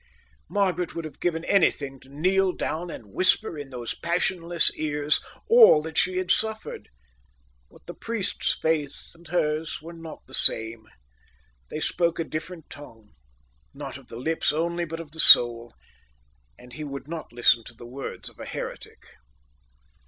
Margaret would have given anything to kneel down and whisper in those passionless ears all that she suffered, but the priest's faith and hers were not the same. They spoke a different tongue, not of the lips only but of the soul, and he would not listen to the words of an heretic.